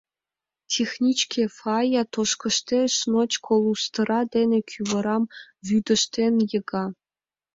Техничке Фая тошкыштеш, ночко лустыра дене кӱварым вӱдыжтен йыга.